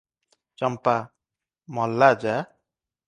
ଚମ୍ପା - ମଲା ଯା!